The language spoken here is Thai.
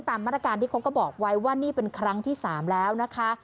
ตามมาตรการที่เขาก็บอกไว้ว่านี่เป็นครั้งที่๓แล้วนะคะ